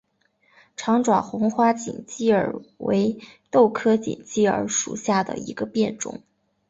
长爪红花锦鸡儿为豆科锦鸡儿属下的一个变种。